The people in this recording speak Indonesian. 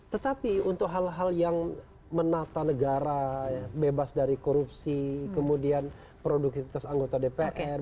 tetapi untuk hal hal yang menata negara bebas dari korupsi kemudian produktivitas anggota dpr